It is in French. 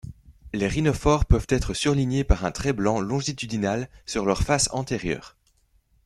Les rhinophores peuvent être surlignés par un trait blanc longitudinal sur leur face antérieure.